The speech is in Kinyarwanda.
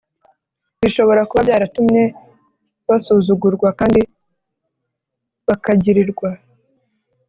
bishobora kuba byaratumye basuzugurwa kandi bakagirirwa